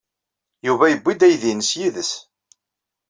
Yuba yewwi-d aydi-nnes yid-s.